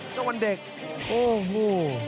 เจ้าวันเด็กโอ้โห